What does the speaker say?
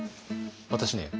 私ね